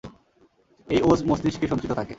এই ওজ মস্তিষ্কে সঞ্চিত থাকে।